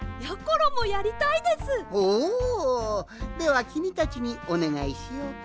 ではきみたちにおねがいしようかのう。